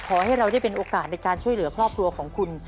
ขอให้เราได้เป็นโอกาสในการช่วยเหลือครอบครัวของคุณ